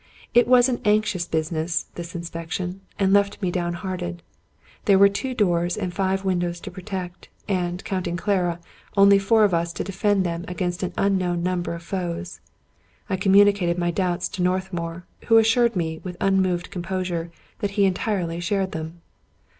It was an anxious business, this inspection, and left me down hearted. There were two doors and five windows to protect, and, counting Clara, only four of us to defend them against an unknown number of foes. I communicated my doubts to Northmour, who assured me, with unmoved composure, that he entirely shared them.